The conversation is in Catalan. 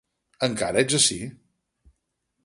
Encara ets ací?